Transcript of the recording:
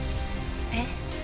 えっ？